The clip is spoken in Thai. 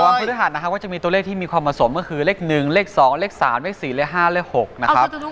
วันพฤหัสนะครับก็จะมีตัวเลขที่มีความผสมก็คือเลขหนึ่งเลขสองเลขสามเลขสี่เลขห้าเลขหกนะครับ